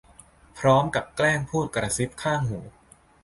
พร้อมกับแกล้งพูดกระซิบข้างหู